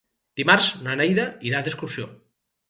Dimarts na Neida irà d'excursió.